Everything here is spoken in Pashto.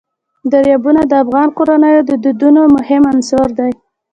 دریابونه د افغان کورنیو د دودونو مهم عنصر دی.